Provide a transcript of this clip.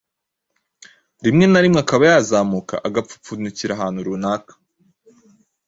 rimwe na rimwe akaba yazamuka agapfupfunukira ahantu runaka